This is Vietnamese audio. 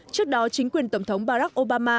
trước đó chính quyền tổng thống barack obama